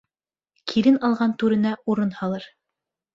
Килен алған түренә урын һалыр.